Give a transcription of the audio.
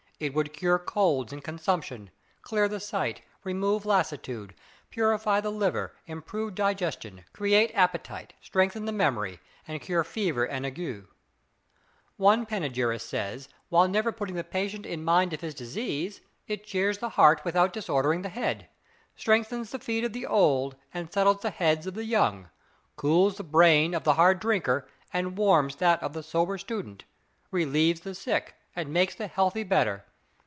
It would cure colds and consumption, clear the sight, remove lassitude, purify the liver, improve digestion, create appetite, strengthen the memory, and cure fever and ague. One panegyrist says, while never putting the patient in mind of his disease, it cheers the heart, without disordering the head; strengthens the feet of the old, and settles the heads of the young; cools the brain of the hard drinker, and warms that of the sober student; relieves the sick, and makes the healthy better.